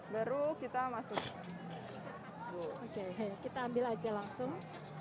baru kita masuk oke kita ambil aja langsung